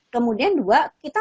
kemudian dua kita